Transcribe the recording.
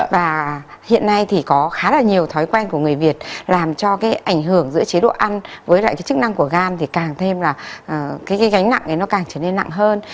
và hiện nay thì có khá là nhiều thói quen của người việt làm cho cái ảnh hưởng giữa chế độ ăn với lại cái chức năng của gan thì càng thêm là cái gánh nặng ấy nó càng trở nên nặng hơn